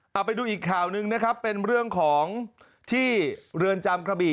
เอาไปดูอีกข่าวหนึ่งนะครับเป็นเรื่องของที่เรือนจำกระบี่